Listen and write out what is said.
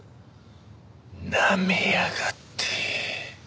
なめやがって！